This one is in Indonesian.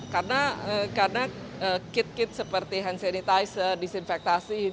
karena kit kit seperti hand sanitizer desinfektan